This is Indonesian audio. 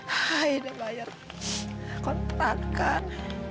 haidam bayar kontrakan